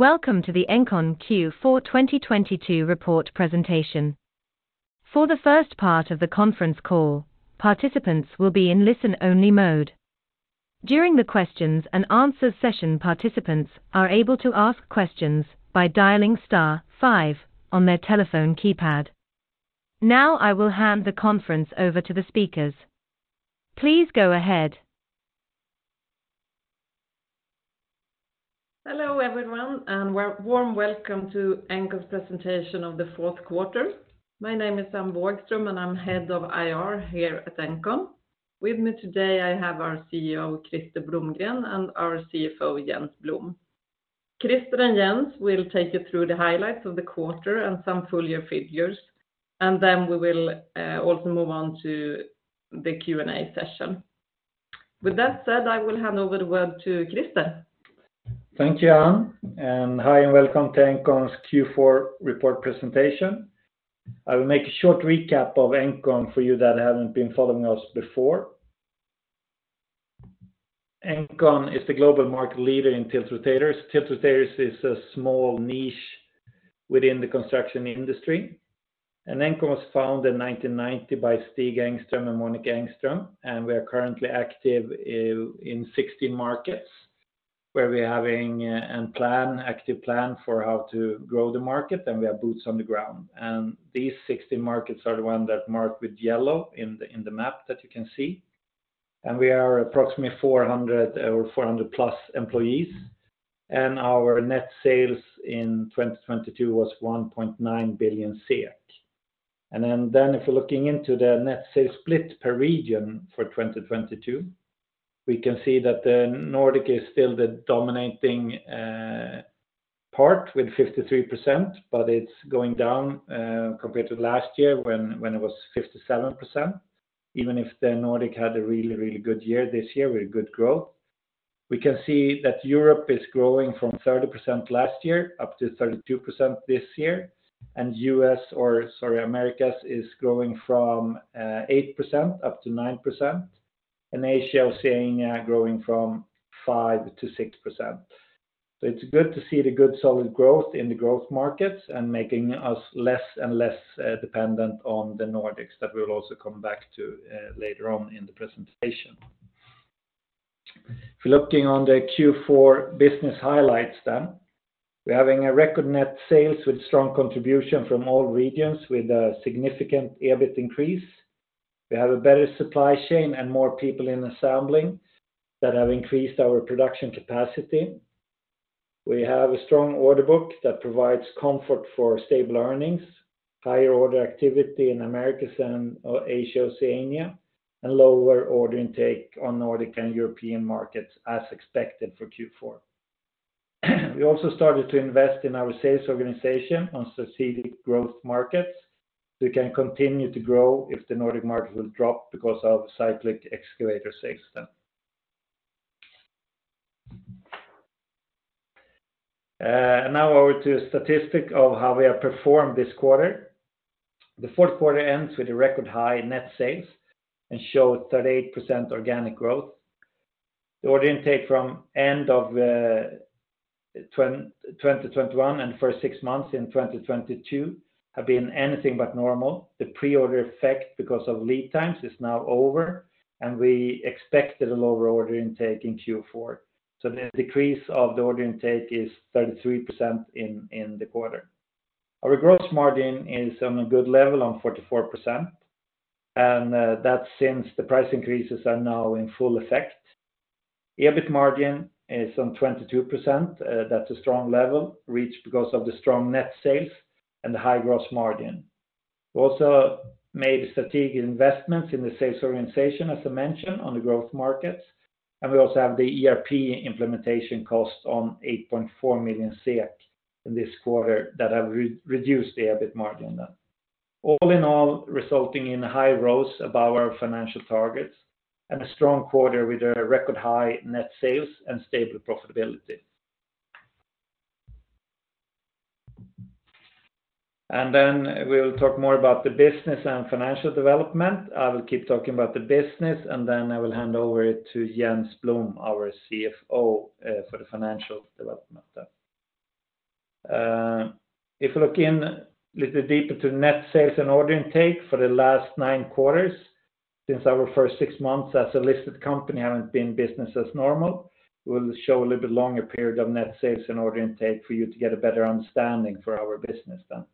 Welcome to the Engcon Q4 2022 report presentation. For the first part of the conference call, participants will be in listen only mode. During the questions and answers session, participants are able to ask questions by dialing star five on their telephone keypad. Now I will hand the conference over to the speakers. Please go ahead. Hello, everyone, warm welcome to Engcon's presentation of the 4th quarter. My name is Anne Vågström, I'm Head of IR here at Engcon. With me today, I have our CEO, Krister Blomgren, and our CFO, Jens Blom. Krister and Jens will take you through the highlights of the quarter and some full year figures, then we will also move on to the Q&A session. With that said, I will hand over the word to Krister. Thank you, Anne, and hi, and welcome to Engcon's Q4 report presentation. I will make a short recap of Engcon for you that haven't been following us before. Engcon is the global market leader in tiltrotators. Tiltrotators is a small niche within the construction industry. Engcon was founded in 1990 by Stig Engström and Monica Engström, and we are currently active in 16 markets, where we're having an active plan for how to grow the market, and we have boots on the ground. These 16 markets are the one that marked with yellow in the map that you can see. We are approximately 400 or 400+ employees, and our net sales in 2022 was 1.9 billion SEK. Then if you're looking into the net sales split per region for 2022, we can see that the Nordics is still the dominating part with 53%, it's going down compared to last year when it was 57%, even if the Nordics had a really, really good year this year with good growth. We can see that Europe is growing from 30% last year, up to 32% this year. US or sorry, Americas is growing from 8% up to 9%. Asia is seeing growing from 5% to 6%. It's good to see the good solid growth in the growth markets and making us less and less dependent on the Nordics that we will also come back to later on in the presentation. If you're looking on the Q4 business highlights, we're having a record net sales with strong contribution from all regions with a significant EBIT increase. We have a better supply chain and more people in assembling that have increased our production capacity. We have a strong order book that provides comfort for stable earnings, higher order activity in Americas, Asia, Oceania, and lower order intake on Nordic and European markets as expected for Q4. We also started to invest in our sales organization on succeeding growth markets, we can continue to grow if the Nordic market will drop because of cyclic excavator sales then. Now over to a statistic of how we have performed this quarter. The fourth quarter ends with a record high net sales and show 38% organic growth. The order intake from end of 2021 and first six months in 2022 have been anything but normal. The pre-order effect because of lead times is now over. We expected a lower order intake in Q4. The decrease of the order intake is 33% in the quarter. Our gross margin is on a good level on 44%, that since the price increases are now in full effect. EBIT margin is on 22%. That's a strong level reached because of the strong net sales and the high gross margin. We also made strategic investments in the sales organization, as I mentioned, on the growth markets. We also have the ERP implementation cost on 8.4 million SEK in this quarter that have re-reduced the EBIT margin then. All in all, resulting in high growth above our financial targets and a strong quarter with a record high net sales and stable profitability. We'll talk more about the business and financial development. I will keep talking about the business, and then I will hand over to Jens Blom, our CFO, for the financial development then. If you look in little deeper to net sales and order intake for the last nine quarters, since our first six months as a listed company haven't been business as normal, we'll show a little bit longer period of net sales and order intake for you to get a better understanding for our business then.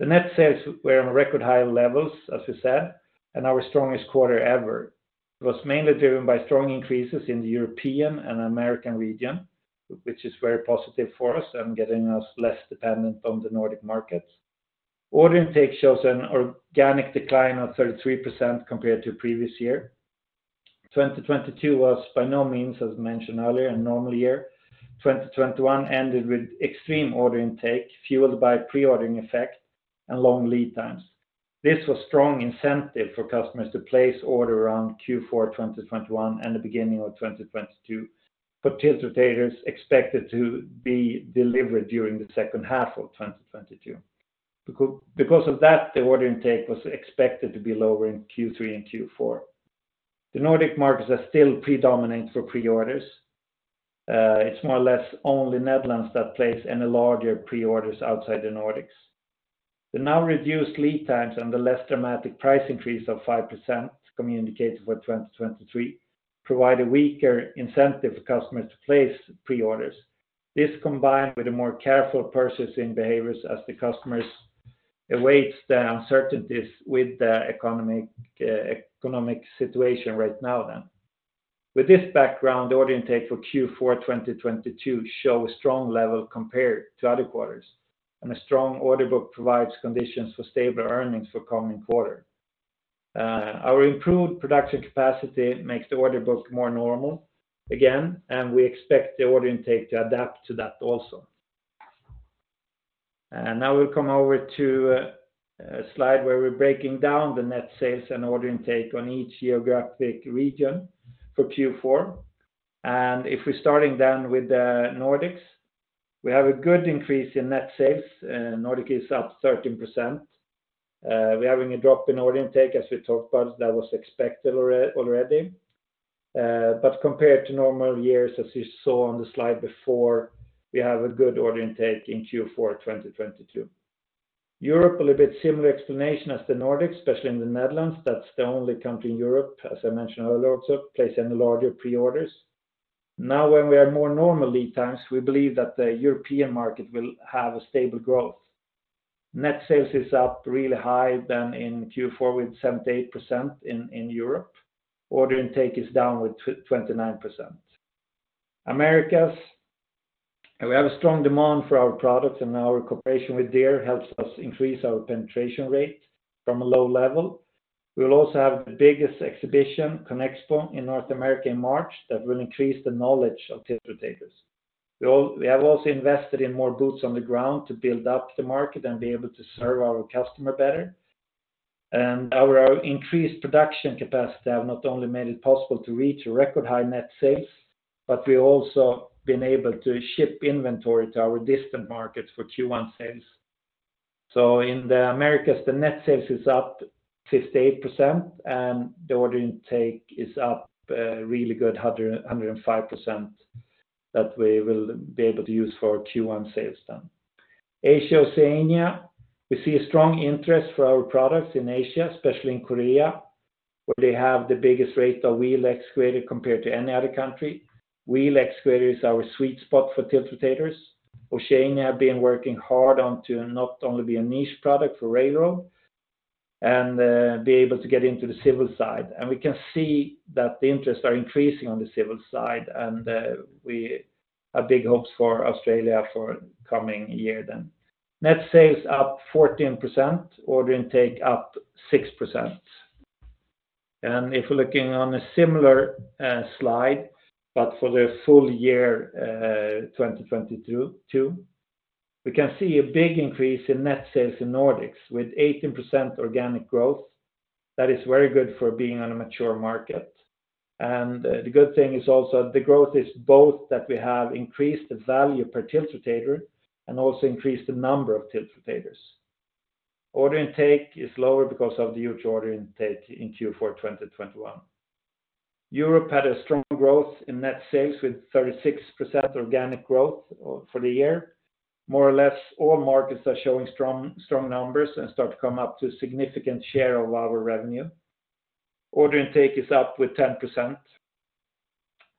The net sales were on record high levels, as we said, and our strongest quarter ever. It was mainly driven by strong increases in the European and American region, which is very positive for us and getting us less dependent on the Nordic markets. Order intake shows an organic decline of 33% compared to previous year. 2022 was by no means, as mentioned earlier, a normal year. 2021 ended with extreme order intake, fueled by pre-ordering effect and long lead times. This was strong incentive for customers to place order around Q4 2021 and the beginning of 2022 for tiltrotators expected to be delivered during the second half of 2022. Because of that, the order intake was expected to be lower in Q3 and Q4. The Nordic markets are still predominant for pre-orders. It's more or less only Netherlands that place any larger pre-orders outside the Nordics. The now reduced lead times and the less dramatic price increase of 5% communicated for 2023 provide a weaker incentive for customers to place pre-orders. This combined with a more careful purchasing behaviors as the customers awaits the uncertainties with the economic situation right now then. With this background, the order intake for Q4 2022 show a strong level compared to other quarters, and a strong order book provides conditions for stable earnings for coming quarter. Our improved production capacity makes the order book more normal again, and we expect the order intake to adapt to that also. Now we'll come over to a slide where we're breaking down the net sales and order intake on each geographic region for Q4. And if we're starting then with the Nordics, we have a good increase in net sales. Nordic is up 13%. We're having a drop in order intake, as we talked about, that was expected already. Compared to normal years, as you saw on the slide before, we have a good order intake in Q4 2022. Europe, a little bit similar explanation as the Nordics, especially in the Netherlands. That's the only country in Europe, as I mentioned earlier also, placing the larger pre-orders. Now when we have more normal lead times, we believe that the European market will have a stable growth. Net sales is up really high than in Q4 with 78% in Europe. Order intake is down with 29%. Americas, we have a strong demand for our products, and our cooperation with Deere helps us increase our penetration rate from a low level. We will also have the biggest exhibition, Conexpo, in North America in March that will increase the knowledge of tiltrotators. We have also invested in more boots on the ground to build up the market and be able to serve our customer better. Our increased production capacity have not only made it possible to reach a record high net sales, but we've also been able to ship inventory to our distant markets for Q1 sales. In the Americas, the net sales is up 58%, and the order intake is up, really good, 105% that we will be able to use for Q1 sales then. Asia-Oceania, we see a strong interest for our products in Asia, especially in Korea, where they have the biggest rate of wheel excavator compared to any other country. Wheel excavator is our sweet spot for tiltrotators. Oceania have been working hard on to not only be a niche product for railroad and be able to get into the civil side. We can see that the interests are increasing on the civil side, and we have big hopes for Australia for coming year then. Net sales up 14%, order intake up 6%. If we're looking on a similar slide, but for the full year 2022, we can see a big increase in net sales in Nordics with 18% organic growth. That is very good for being on a mature market. The good thing is also the growth is both that we have increased the value per tiltrotator and also increased the number of tiltrotators. Order intake is lower because of the huge order intake in Q4 2021. Europe had a strong growth in net sales with 36% organic growth for the year. More or less all markets are showing strong numbers and start to come up to a significant share of our revenue. Order intake is up with 10%.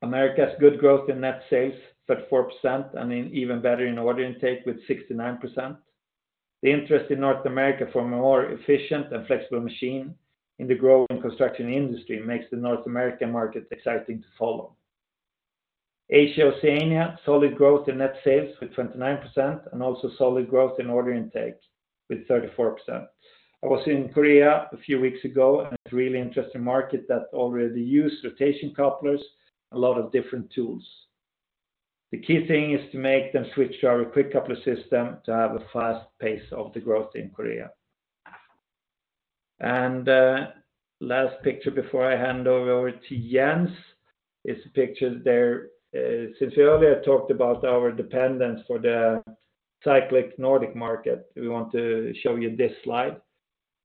America has good growth in net sales, 34%, even better in order intake with 69%. The interest in North America for a more efficient and flexible machine in the growing construction industry makes the North American market exciting to follow. Asia-Oceania, solid growth in net sales with 29% also solid growth in order intake with 34%. I was in Korea a few weeks ago, it's a really interesting market that already use rotation couplers, a lot of different tools. The key thing is to make them switch to our quick coupler system to have a fast pace of the growth in Korea. Last picture before I hand over to Jens is a picture there. Since we earlier talked about our dependence for the cyclic Nordic market, we want to show you this slide.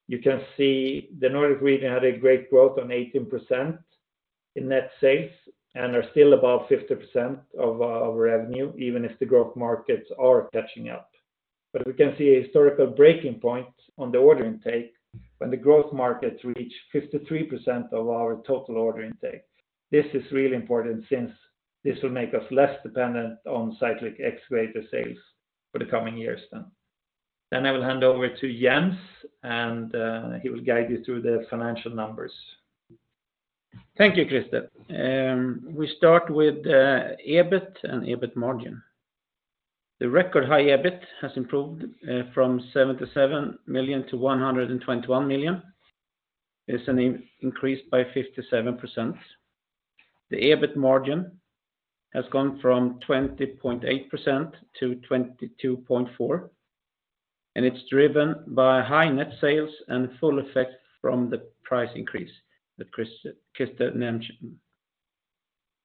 You can see the Nordic region had a great growth on 18% in net sales and are still above 50% of our revenue, even if the growth markets are catching up. We can see a historical breaking point on the order intake when the growth markets reach 53% of our total order intake. This is really important since this will make us less dependent on cyclic excavator sales for the coming years then. I will hand over to Jens, and he will guide you through the financial numbers. Thank you, Krister. We start with EBIT and EBIT margin. The record high EBIT has improved from 77 million to 121 million. It's an increase by 57%. The EBIT margin has gone from 20.8% to 22.4%, and it's driven by high net sales and full effect from the price increase that Krister mentioned.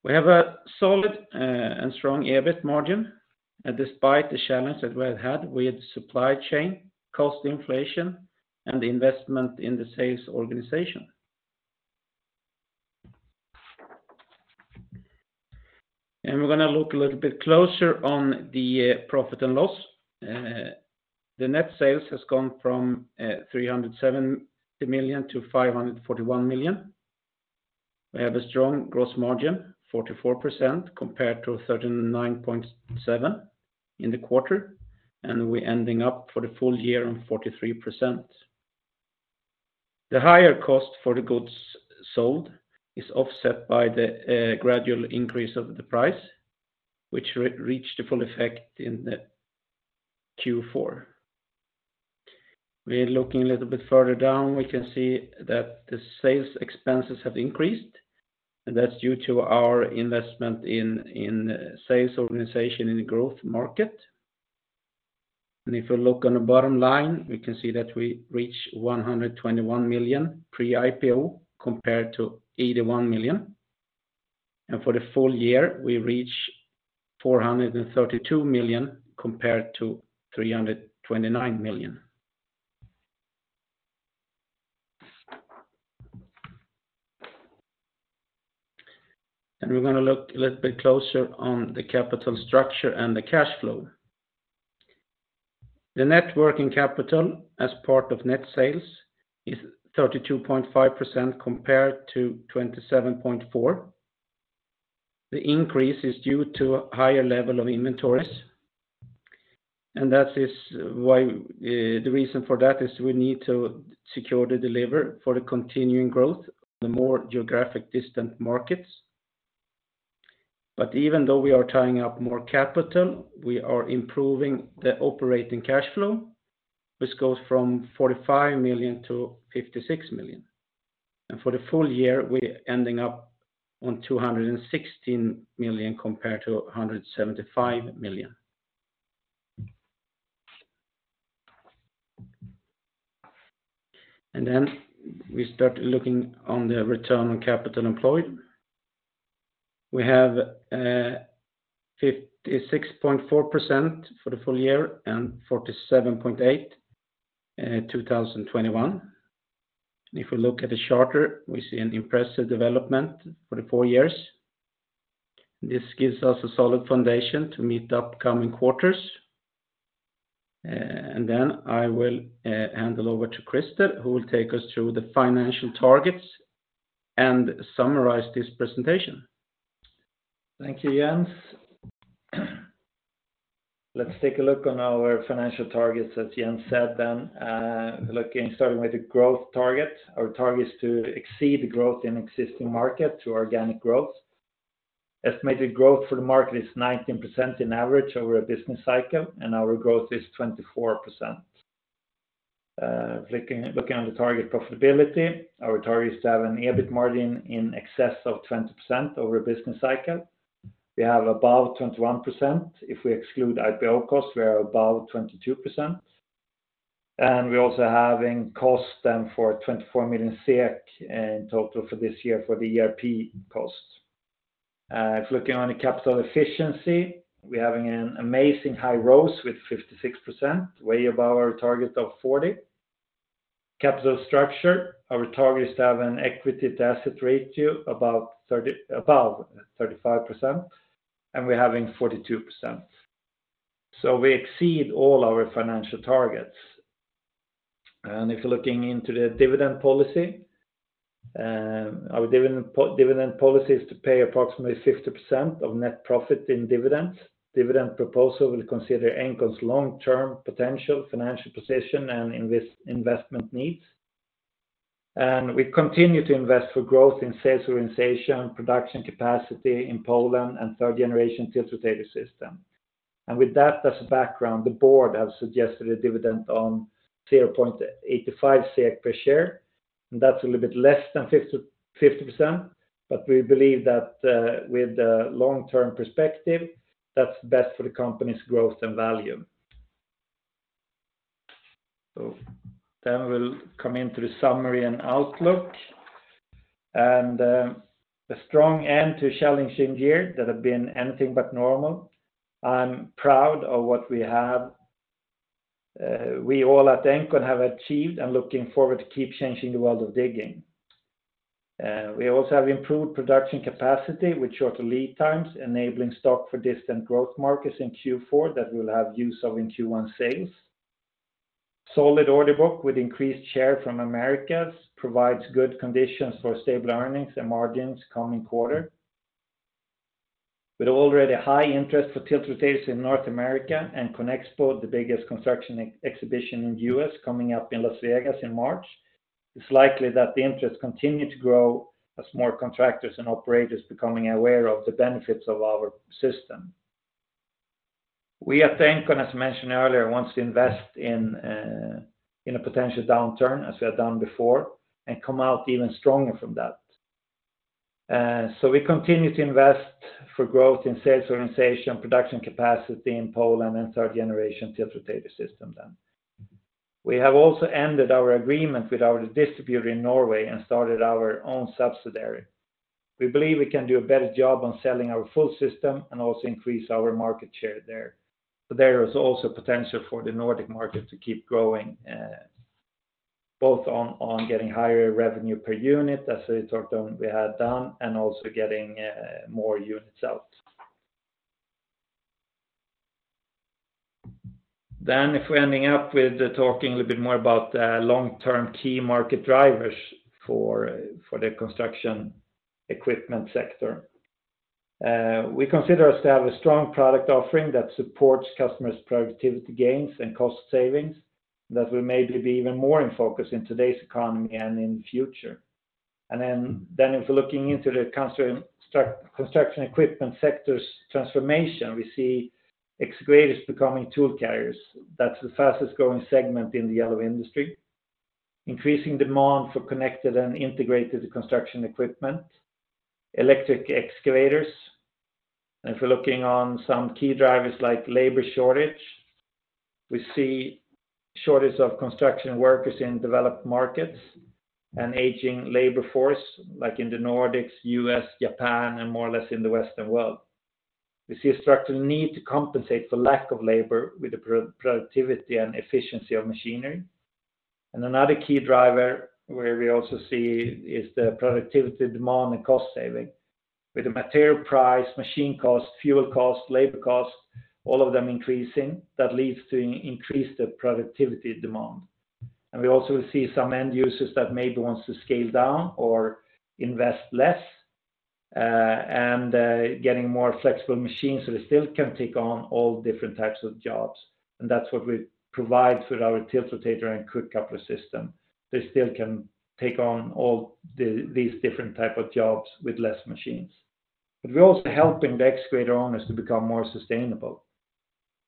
We have a solid and strong EBIT margin despite the challenge that we have had with supply chain, cost inflation, and the investment in the sales organization. We're gonna look a little bit closer on the profit and loss. The net sales has gone from 370 million to 541 million. We have a strong gross margin, 44% compared to 39.7% in the quarter, and we're ending up for the full year on 43%. The higher cost for the goods sold is offset by the gradual increase of the price, which re-reach the full effect in the Q4. We're looking a little bit further down, we can see that the sales expenses have increased, and that's due to our investment in sales organization in the growth market. If you look on the bottom line, we can see that we reach 121 million pre-IPO compared to 81 million. For the full year, we reach 432 million compared to 329 million. We're gonna look a little bit closer on the capital structure and the cash flow. The net working capital as part of net sales is 32.5% compared to 27.4%. The increase is due to a higher level of inventories. That is why the reason for that is we need to secure the deliver for the continuing growth in the more geographic distant markets. Even though we are tying up more capital, we are improving the operating cash flow, which goes from 45 million to 56 million. For the full year, we're ending up on 216 million compared to 175 million. We start looking on the return on capital employed. We have 56.4% for the full year and 47.8% in 2021. If we look at the charter, we see an impressive development for the four years. This gives us a solid foundation to meet the upcoming quarters. I will hand it over to Krister, who will take us through the financial targets and summarize this presentation. Thank you, Jens. Let's take a look on our financial targets, as Jens said then. Starting with the growth target. Our target is to exceed the growth in existing market to organic growth. Estimated growth for the market is 19% in average over a business cycle, and our growth is 24%. Looking on the target profitability, our target is to have an EBIT margin in excess of 20% over a business cycle. We have above 21%. If we exclude IPO costs, we are above 22%. We're also having costs then for 24 million SEK in total for this year for the ERP costs. If looking on the capital efficiency, we're having an amazing high ROCE with 56%, way above our target of 40%. Capital structure, our target is to have an equity to asset ratio above 35%, we're having 42%. We exceed all our financial targets. If you're looking into the dividend policy, our dividend policy is to pay approximately 50% of net profit in dividends. Dividend proposal will consider Engcon's long-term potential financial position and investment needs. We continue to invest for growth in sales organization, production capacity in Poland, and third generation tiltrotator system. With that as a background, the board have suggested a dividend on 0.85 SEK per share, that's a little bit less than 50%. We believe that, with the long-term perspective, that's best for the company's growth and value. We'll come into the summary and outlook. A strong end to challenging year that have been anything but normal. I'm proud of what we have, we all at Engcon have achieved and looking forward to keep changing the world of digging. We also have improved production capacity with shorter lead times, enabling stock for distant growth markets in Q4 that we'll have use of in Q1 sales. Solid order book with increased share from Americas provides good conditions for stable earnings and margins coming quarter. With already high interest for tiltrotators in North America and CONEXPO, the biggest construction exhibition in the U.S. coming up in Las Vegas in March, it's likely that the interest continue to grow as more contractors and operators becoming aware of the benefits of our system. We at Engcon, as mentioned earlier, wants to invest in a potential downturn, as we have done before, and come out even stronger from that. We continue to invest for growth in sales organization, production capacity in Poland, and third generation tiltrotator system then. We have also ended our agreement with our distributor in Norway and started our own subsidiary. We believe we can do a better job on selling our full system and also increase our market share there. There is also potential for the Nordic market to keep growing, both on getting higher revenue per unit, as we talked on, we had done, and also getting more units out. If we're ending up with talking a little bit more about the long-term key market drivers for the construction equipment sector. We consider ourselves a strong product offering that supports customers' productivity gains and cost savings that will maybe be even more in focus in today's economy and in the future. If we're looking into the construction equipment sector's transformation, we see excavators becoming tool carriers. That's the fastest-growing segment in the yellow industry. Increasing demand for connected and integrated construction equipment, electric excavators. If we're looking on some key drivers like labor shortage, we see shortage of construction workers in developed markets, an aging labor force, like in the Nordics, U.S., Japan, and more or less in the Western world. We see a structural need to compensate for lack of labor with the productivity and efficiency of machinery. Another key driver where we also see is the productivity demand and cost saving. With the material price, machine cost, fuel cost, labor cost, all of them increasing, that leads to increased productivity demand. We also see some end users that maybe wants to scale down or invest less, and getting more flexible machines, so they still can take on all different types of jobs. That's what we provide with our tiltrotator and quick coupler system. They still can take on all these different type of jobs with less machines. We're also helping the excavator owners to become more sustainable.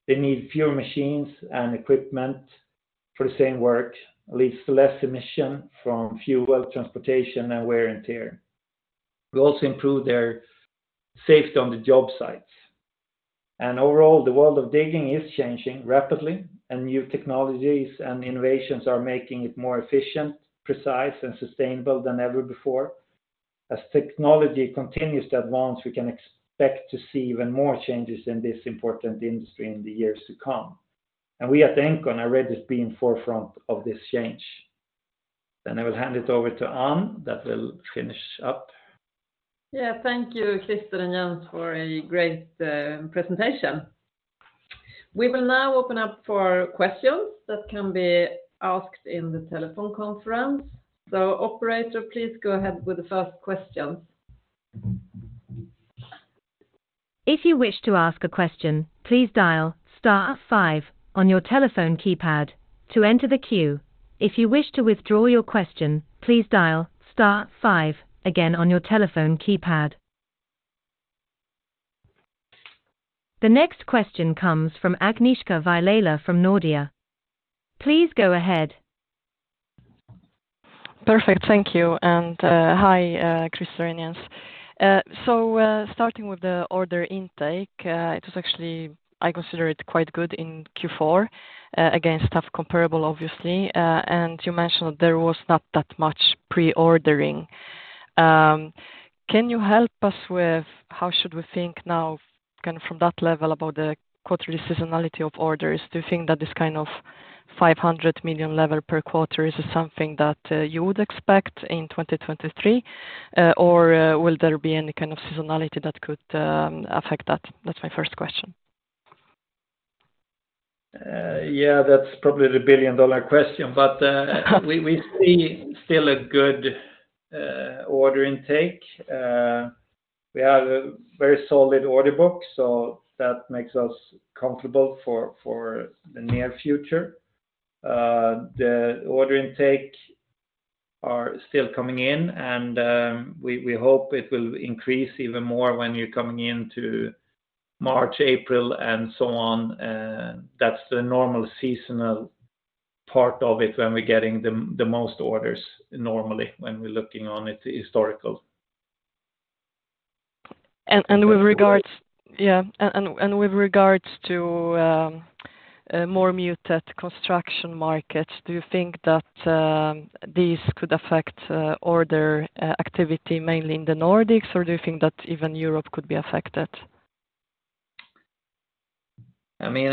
They need fewer machines and equipment for the same work, leads to less emission from fuel, transportation, and wear and tear. We also improve their safety on the job sites. Overall, the world of digging is changing rapidly, and new technologies and innovations are making it more efficient, precise, and sustainable than ever before. As technology continues to advance, we can expect to see even more changes in this important industry in the years to come. We at Engcon are ready to be in forefront of this change. I will hand it over to Anne that will finish up. Yeah. Thank you, Krister and Jens, for a great presentation. We will now open up for questions that can be asked in the telephone conference. Operator, please go ahead with the first questions. If you wish to ask a question, please dial star five on your telephone keypad to enter the queue. If you wish to withdraw your question, please dial star five again on your telephone keypad. The next question comes from Agnieszka Vilela from Nordea. Please go ahead. Perfect. Thank you. Hi, Krister and Jens. Starting with the order intake, it was actually, I consider it quite good in Q4, against tough comparable, obviously. You mentioned there was not that much pre-ordering. Can you help us with how should we think now kind of from that level about the quarterly seasonality of orders? Do you think that this kind of 500 million level per quarter is something that you would expect in 2023? Or will there be any kind of seasonality that could affect that? That's my first question. Yeah, that's probably the billion-dollar question. We see still a good order intake. We have a very solid order book, so that makes us comfortable for the near future. The order intake are still coming in, and we hope it will increase even more when you're coming into March, April, and so on. That's the normal seasonal part of it when we're getting the most orders normally when we're looking on it historical. With regards to more muted construction markets, do you think that these could affect order activity mainly in the Nordics, or do you think that even Europe could be affected? I mean,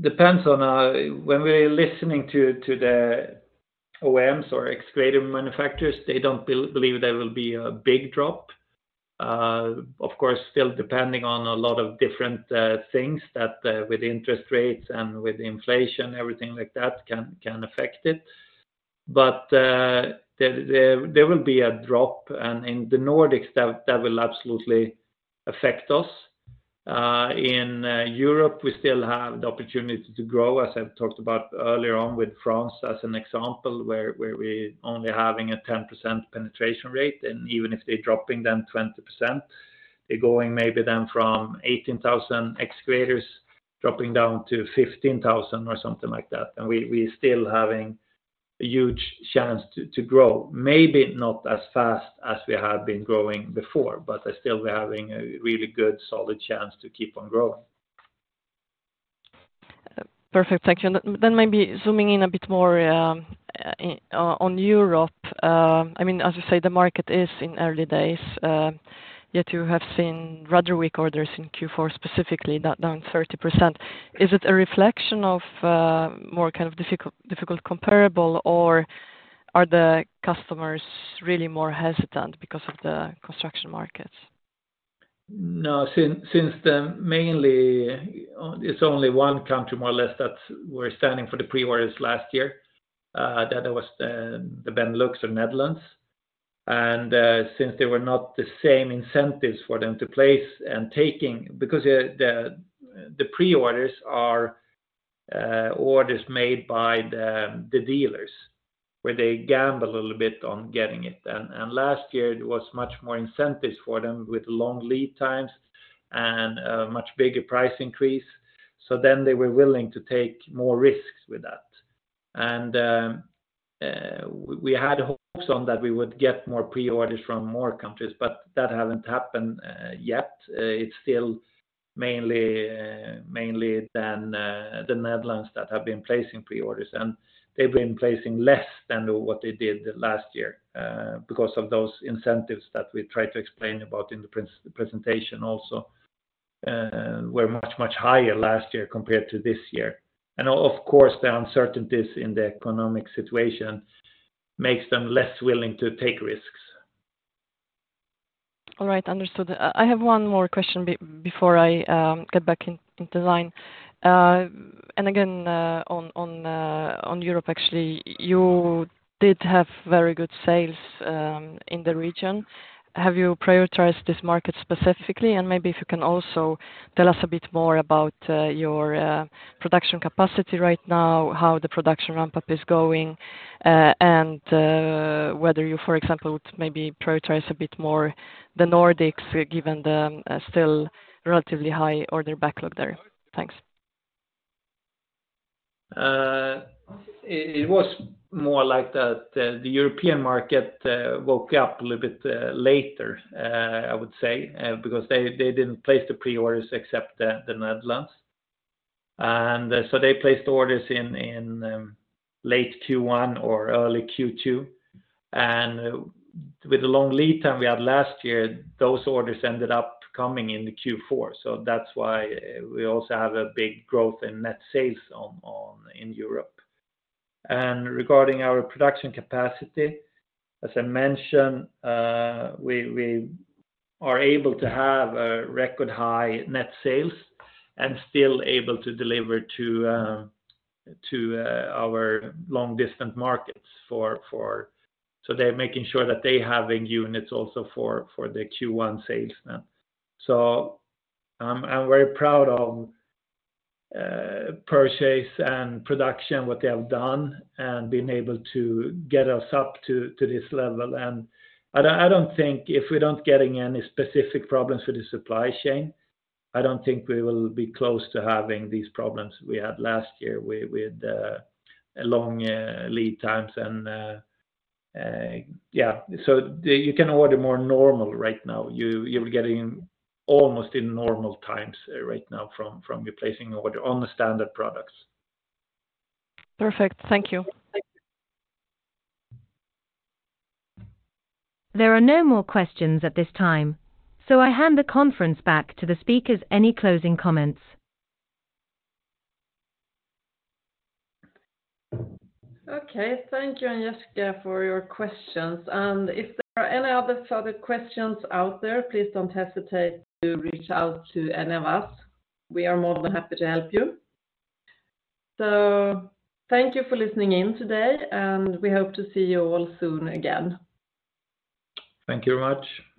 depends on when we're listening to the OEMs or excavator manufacturers, they don't believe there will be a big drop. Of course, still depending on a lot of different things that with interest rates and with inflation, everything like that can affect it. There will be a drop, in the Nordics, that will absolutely affect us. In Europe, we still have the opportunity to grow, as I've talked about earlier on with France as an example, where we're only having a 10% penetration rate. Even if they're dropping down 20%, they're going maybe then from 18,000 excavators dropping down to 15,000 or something like that. We're still having a huge chance to grow. Maybe not as fast as we have been growing before, but still we're having a really good solid chance to keep on growing. Perfect. Thank you. Maybe zooming in a bit more, on Europe. I mean, as you say, the market is in early days, yet you have seen rather weak orders in Q4, specifically down 30%. Is it a reflection of, more kind of difficult comparable, or are the customers really more hesitant because of the construction markets? No, since the mainly it's only one country, more or less, that we're standing for the pre-orders last year, that was the Benelux or Netherlands. Since they were not the same incentives for them to place and taking because the pre-orders are orders made by the dealers where they gamble a little bit on getting it. Last year it was much more incentives for them with long lead times and a much bigger price increase. They were willing to take more risks with that. We had hopes on that we would get more pre-orders from more countries, but that haven't happened yet. It's still mainly then, the Netherlands that have been placing pre-orders, and they've been placing less than what they did last year, because of those incentives that we tried to explain about in the presentation also, were much higher last year compared to this year. Of course, the uncertainties in the economic situation makes them less willing to take risks. All right. Understood. I have one more question before I get back in design. Again, on Europe, actually, you did have very good sales in the region. Have you prioritized this market specifically? Maybe if you can also tell us a bit more about your production capacity right now, how the production ramp-up is going, and whether you, for example, would maybe prioritize a bit more the Nordics, given the still relatively high order backlog there? Thanks. It was more like that the European market woke up a little bit later, I would say, because they didn't place the pre-orders except the Netherlands. They placed orders in late Q1 or early Q2. With the long lead time we had last year, those orders ended up coming in the Q4. That's why we also have a big growth in net sales on in Europe. Regarding our production capacity, as I mentioned, we are able to have a record high net sales and still able to deliver to our long-distance markets. They're making sure that they have units also for the Q1 sales now. I'm very proud of purchase and production, what they have done, and being able to get us up to this level. I don't think if we're not getting any specific problems with the supply chain, I don't think we will be close to having these problems we had last year with long lead times and. Yeah, you can order more normal right now. You're getting almost in normal times right now from replacing order on the standard products. Perfect. Thank you. There are no more questions at this time, so I hand the conference back to the speakers. Any closing comments? Okay. Thank you, Agnieszka, for your questions. If there are any other further questions out there, please don't hesitate to reach out to any of us. We are more than happy to help you. Thank you for listening in today, and we hope to see you all soon again. Thank you very much.